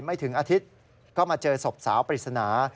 ไม่ถึงอาทิตย์ก็มาเจอศพสาวปริศนา